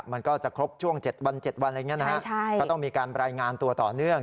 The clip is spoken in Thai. มันก็จะครบช่วง๗วันยังไงนะครับก็ต้องมีการรายงานตัวต่อเนื่อง